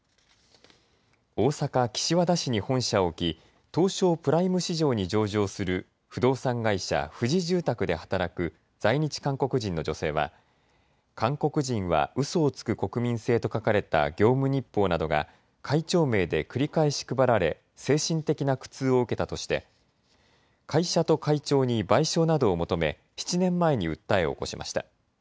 大阪岸和田市に本社を置き東証プライム市場に上場する不動産会社、フジ住宅で働く在日韓国人の女性は韓国人はうそをつく国民性と書かれた業務日報などが会長名で繰り返し配られ精神的な苦痛を受けたとして会社と会長に賠償などを求め７年前に訴えを起こしました。